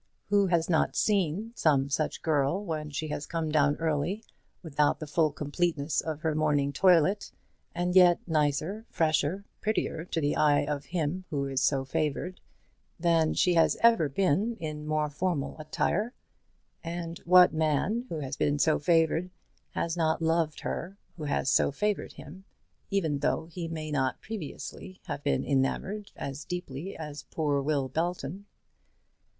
Who has not seen some such girl when she has come down early, without the full completeness of her morning toilet, and yet nicer, fresher, prettier to the eye of him who is so favoured, than she has ever been in more formal attire? And what man who has been so favoured has not loved her who has so favoured him, even though he may not previously have been enamoured as deeply as poor Will Belton?